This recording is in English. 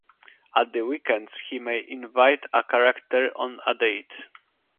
At the weekends he may invite a character on a date.